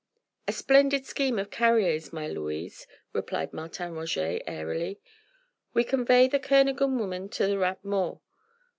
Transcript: "A splendid scheme of Carrier's, my Louise," replied Martin Roget airily. "We convey the Kernogan woman to the Rat Mort.